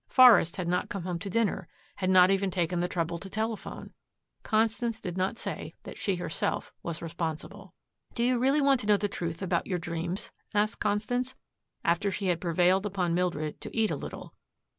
Forest had not come home to dinner, had not even taken the trouble to telephone. Constance did not say that she herself was responsible. "Do you really want to know the truth about your dreams?" asked Constance, after she had prevailed upon Mildred to eat a little.